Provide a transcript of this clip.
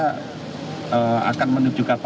tinggal pilotnya akan menuju kapan saja